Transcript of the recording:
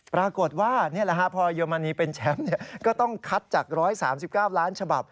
ปรากฏว่านี่แหละฮะพอเยอรมนีเป็นแชมป์ก็ต้องคัดจาก๑๓๙ล้านฉบับ